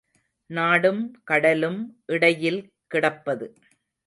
நாடும் கடலும் இடையில் கிடப்பது.